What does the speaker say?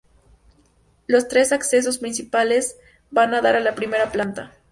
Los tres accesos principales van a dar a la primera planta.